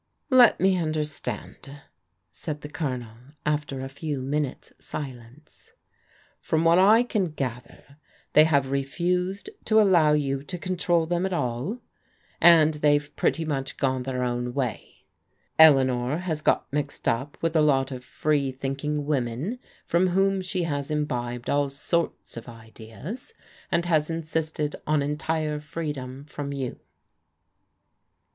"Let me understand," said the Colonel after a few minutes' silence. " From what I can gather, they have refused to allow you to control them at all, and they've pretty much gone their own way. Eleanor has got mixed up with a lot of free thinking women, from whom she has imbibed all sorts of ideas, and has insisted on entire freedom from you."